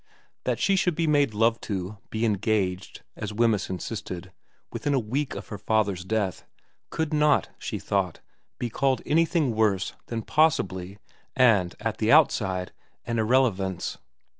That she should be being made love to, be engaged, as Wemyss insisted, within a week of her father's death, could not, she thought, be called anything worse than possibly and at the outside an irrelevance.